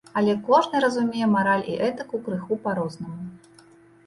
Але кожны разумее мараль і этыку крыху па-рознаму.